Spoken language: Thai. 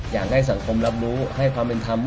อยากให้สังคมรับรู้ให้ความเป็นธรรม